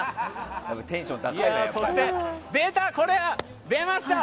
そして、出ました！